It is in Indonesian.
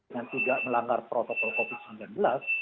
dengan juga melanggar protokol covid sembilan belas